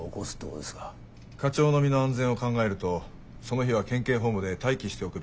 課長の身の安全を考えるとその日は県警本部で待機しておくべきでは？